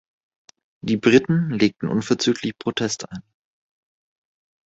Die Briten legten unverzüglich Protest ein.